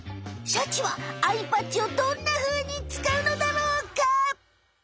シャチはアイパッチをどんなふうにつかうのだろうか？